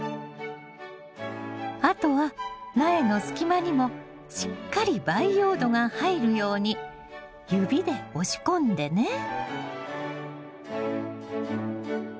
あとは苗の隙間にもしっかり培養土が入るように指で押し込んでね。